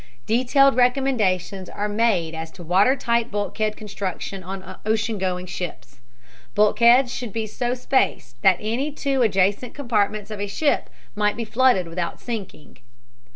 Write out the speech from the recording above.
Detailed recommendations are made as to water tight bulkhead construction on ocean going ships. Bulkheads should be so spaced that any two adjacent compartments of a ship might be flooded without sinking.